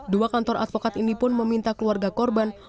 dua kantor advokat ini pun meminta keluarga korban